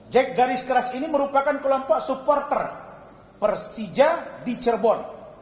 jack garis keras ini merupakan kelompok supporter persija di cirebon